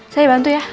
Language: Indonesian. saya bantu ya